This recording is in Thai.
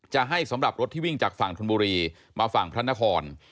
จะให้สำหรับรถที่วิ่งจากฝั่งธนบุรีมาฝั่งพระนคร